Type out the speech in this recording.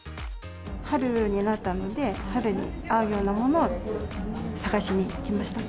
春になったので、春に合うようなものを探しに来ました。